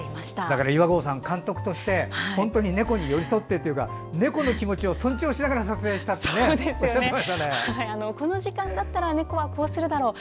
だから岩合さん監督して本当に猫に寄り添ってというか猫の気持ちを尊重しながら撮影したってこの時間だったら猫はこうするだろう。